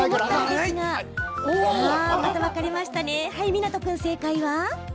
湊君、正解は。